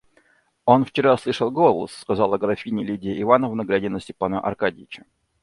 Он вчера слышал голос, — сказала графиня Лидия Ивановна, глядя на Степана Аркадьича.